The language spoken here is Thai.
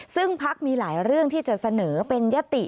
ซึ่งพักมีหลายเรื่องที่จะเสนอเป็นยติ